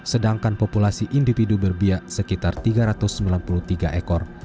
sedangkan populasi individu berbiak sekitar tiga ratus sembilan puluh tiga ekor